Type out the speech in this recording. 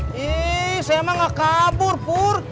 hei saya emang gak kabur pur